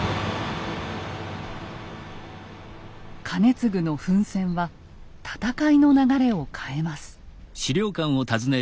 兼続の奮戦は戦いの流れを変えます。